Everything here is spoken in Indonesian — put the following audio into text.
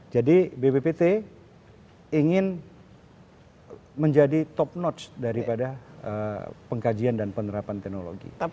jadi bppt ingin menjadi top notch daripada pengkajian dan penerapan teknologi